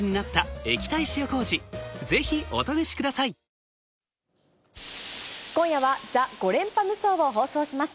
トーンアップ出た今夜はＴＨＥ５連覇無双を放送します。